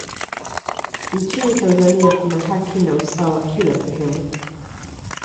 nchini tanzania kuna haki na usawa kila sehemu